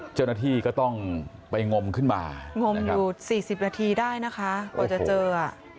เจ้าหน้าที่ก็ต้องไปงมขึ้นมางมอยู่สี่สิบนาทีได้นะคะกว่าจะเจออ่ะ